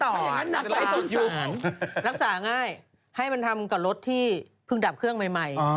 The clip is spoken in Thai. ปั๊มต่อรักษาง่ายให้มันทำกับรถที่พึ่งดับเครื่องใหม่